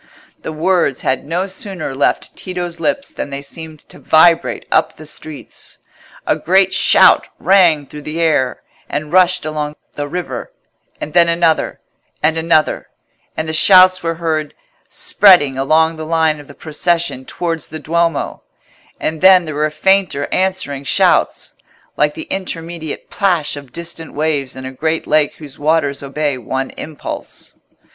The words had no sooner left Tito's lips than they seemed to vibrate up the streets. A great shout rang through the air, and rushed along the river; and then another, and another; and the shouts were heard spreading along the line of the procession towards the Duomo; and then there were fainter answering shouts, like the intermediate plash of distant waves in a great lake whose waters obey one impulse.